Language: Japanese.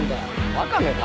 ワカメか！